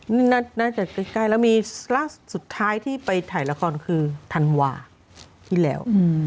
น่าจะใกล้แล้วมีล่าสุดสุดท้ายที่ไปถ่ายละครคือธันวาที่แล้ว